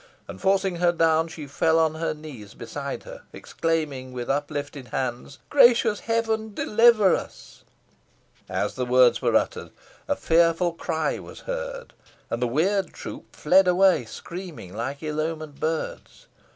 And forcing her down, she fell on her knees beside her, exclaiming, with uplifted hands, "Gracious heaven! deliver us." As the words were uttered, a fearful cry was heard, and the weird troop fled away screaming, like ill omened birds.